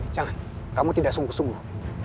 jangan kamu tidak sungguh sungguh